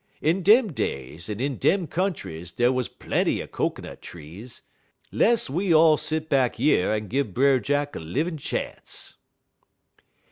In dem days en in dem countries dey wuz plenty er cocoanut trees. Less we all set back yer en give Brer Jack a livin' chance."